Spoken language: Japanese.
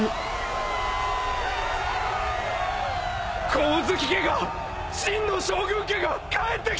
光月家が真の将軍家が帰ってきたんだよ！